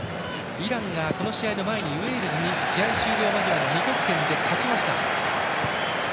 イランがこの試合の前にウェールズに試合終了前の２得点で勝ちました。